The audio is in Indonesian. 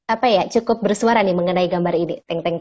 apa ya cukup bersuara nih mengenai gambar ini